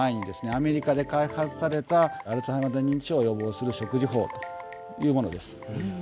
アメリカで開発されたアルツハイマー型認知症を予防する食事法というものです